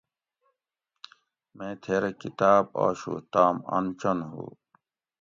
میں تھیرہ کتاۤب آشو تام آن چن ھو